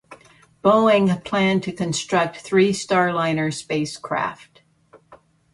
Boeing planned to construct three Starliner spacecraft.